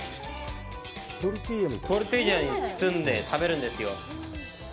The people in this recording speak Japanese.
トルティーヤに包んで食べるんですよ。